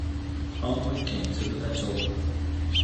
青森県鶴田町